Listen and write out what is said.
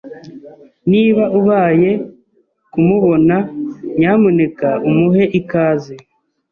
Niba ubaye kumubona, nyamuneka umuhe ikaze.